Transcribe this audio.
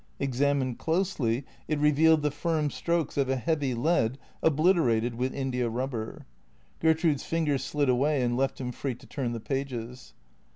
Examined closely it revealed the firm strokes of a heavy lead obliterated with india rubber. Gertrude's finger slid away and left him free to turn the pages.